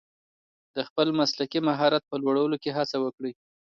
د خپل مسلکي مهارت په لوړولو کې هڅه وکړئ.